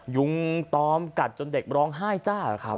ยุงตอมกัดจนเด็กร้องไห้จ้าครับ